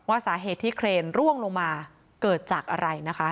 สาเหตุที่เครนร่วงลงมาเกิดจากอะไรนะคะ